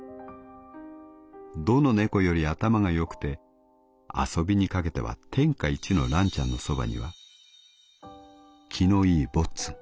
どの猫より頭が良くて遊びにかけては天下一のらんちゃんのそばには気のいいぼっつん」。